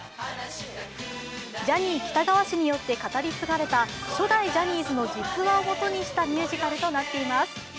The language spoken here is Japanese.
ジャニー喜多川氏によって語り継がれた初代ジャニーズの実話をもとにしたミュージカルとなっています。